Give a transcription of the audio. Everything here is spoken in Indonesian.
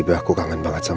bukannya jauh nicol